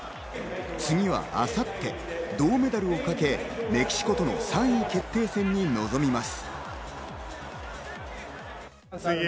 次は明後日、銅メダルをかけメキシコとの３位決定戦に臨みます。